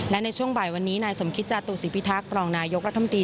และในช่วงบ่ายวันนี้นายสมคิตจาตุศิพิทักษ์รองนายกรัฐมนตรี